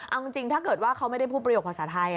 เอาจริงถ้าเกิดว่าเขาไม่ได้พูดประโยคภาษาไทย